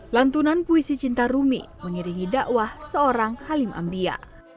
lantunan puisi cinta rumi mengiringi dakwah seorang halim ambia